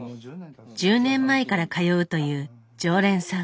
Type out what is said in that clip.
１０年前から通うという常連さん。